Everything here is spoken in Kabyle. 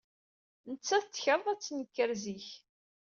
Nettat tekṛed ad d-tenker zik.